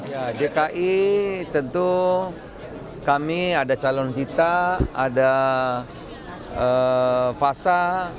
ya dki tentu kami ada calon kita ada fasa